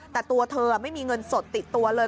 แต่ตัวเธอไม่มีเงินสดติดตัวเลย